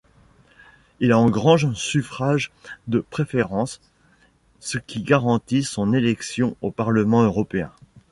Il engrange suffrages de préférence, ce qui garantit son élection au Parlement européen.